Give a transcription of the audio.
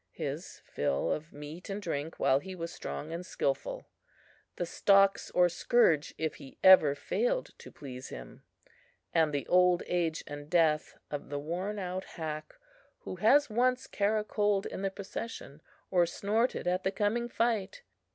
his fill of meat and drink while he was strong and skilful, the stocks or scourge if he ever failed to please him, and the old age and death of the worn out hack who once has caracoled in the procession, or snorted at the coming fight.